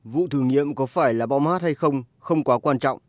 vụ thử nghiệm có phải là bom mart hay không không quá quan trọng